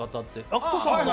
アッコさんも？